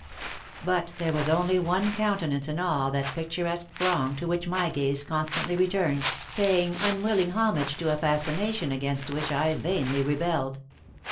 But there was only one countenance in all that picturesque throng to which my gaze constantly returned, paying unwilling homage to a fascination against which I vainly rebelled.